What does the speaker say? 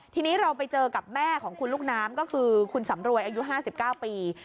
ทีนี้เราไปเจอกับแม่ของคุณลูกน้ำก็คือคุณสำรวยอายุ๕๙ปี